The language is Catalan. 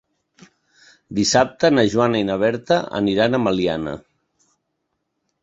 Dissabte na Joana i na Berta aniran a Meliana.